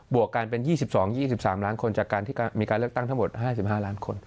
วกกันเป็น๒๒๒๓ล้านคนจากการที่มีการเลือกตั้งทั้งหมด๕๕ล้านคน